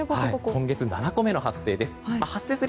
今月７個目の発生です。